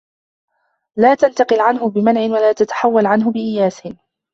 لَا تَنْتَقِلُ عَنْهُ بِمَنْعٍ وَلَا تَتَحَوَّلُ عَنْهُ بِإِيَاسٍ